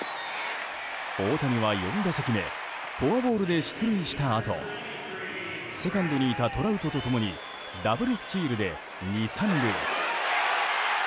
大谷は４打席目フォアボールで出塁したあとセカンドにいたトラウトと共にダブルスチールで２、３塁。